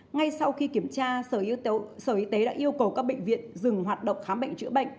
ngay sau khi kiểm tra sở y tế đã yêu cầu các bệnh viện dừng hoạt động khám bệnh chữa bệnh